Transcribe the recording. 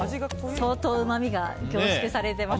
相当うまみが凝縮されてますね。